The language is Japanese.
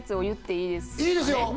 いいですよ